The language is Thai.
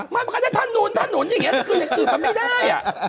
ไม่มันก็จะถนนถนนอย่างนี้อื่นมันไม่ได้